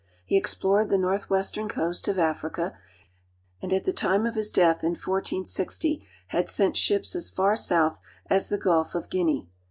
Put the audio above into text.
*' He explored the northwestern coast of Africa, and at the time of his death in 1460 had sent ships as far south as the Gulf of Guinea.